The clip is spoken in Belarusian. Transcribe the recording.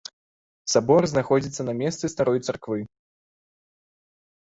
Сабор знаходзіцца на месцы старой царквы.